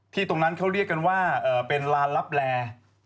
ตรงนั้นเขาเรียกกันว่าเป็นลานรับแล